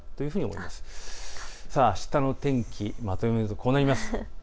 あしたの天気、まとめるとこうなります。